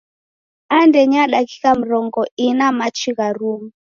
Andenyi ya dakika mrongo ina machi gharuma.